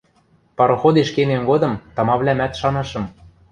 Пароходеш кемем годым тамавлӓмӓт шанышым.